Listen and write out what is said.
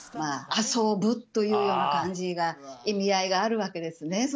遊ぶというような感じの意味合いがあるわけですね。